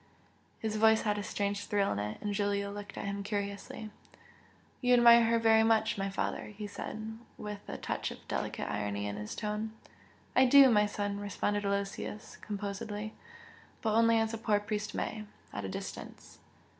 His voice had a strange thrill in it, and Giulio looked at him curiously. "You admire her very much, my father!" he said, with a touch of delicate irony in his tone. "I do, my son!" responded Aloysius, composedly, "But only as a poor priest may at a distance!"